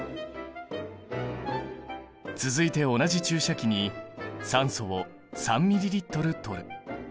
続いて同じ注射器に酸素を３ｍＬ取る。